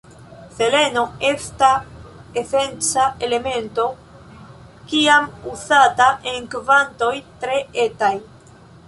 Seleno esta esenca elemento kiam uzata en kvantoj tre etaj.